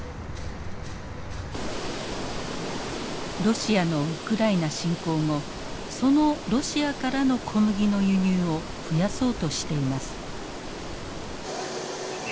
ロシアのウクライナ侵攻後そのロシアからの小麦の輸入を増やそうとしています。